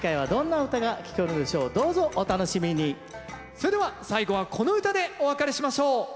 それでは最後はこの唄でお別れしましょう。